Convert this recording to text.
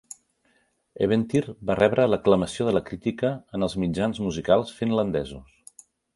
Eventyr va rebre l'aclamació de la crítica en els mitjans musicals finlandesos.